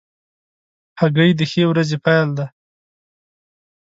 هګۍ د ښې ورځې پیل دی.